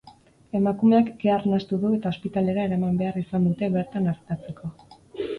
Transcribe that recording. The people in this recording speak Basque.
Emakumeak kea arnastu du eta ospitalera eraman behar izan dute bertan artatzeko.